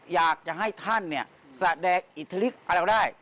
อยากจะให้ท่านเนี่ยแสดงอิทธิฤทธิอะไรก็ได้